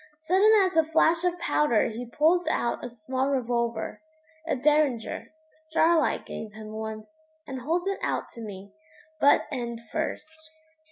Sudden as a flash of powder he pulls out a small revolver a Derringer Starlight gave him once, and holds it out to me, butt end first.